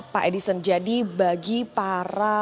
pak edison jadi bagi para